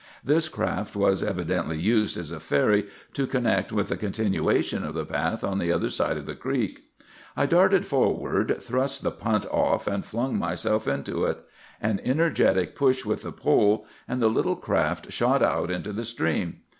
This craft was evidently used as a ferry to connect with a continuation of the path on the other side of the creek. "I darted forward, thrust the punt off, and flung myself into it. An energetic push with the pole, and the little craft shot out into the stream.